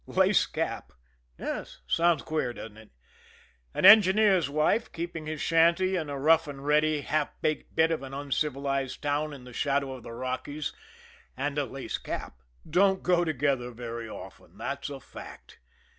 Lace cap? Yes. Sounds queer, doesn't it? An engineer's wife, keeping his shanty in a rough and ready, half baked bit of an uncivilized town in the shadow of the Rockies, and a lace cap don't go together very often, that's a fact.